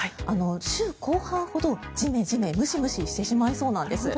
週後半ほどジメジメ、ムシムシしてしまいそうなんです。